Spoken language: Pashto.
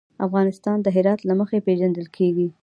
افغانستان د هرات له مخې پېژندل کېږي.